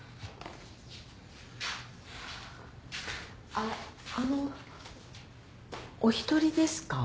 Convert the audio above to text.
あっあのお一人ですか？